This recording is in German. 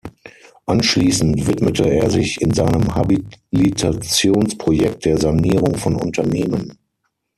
Anschließend widmete er sich in seinem Habilitationsprojekt der Sanierung von Unternehmen.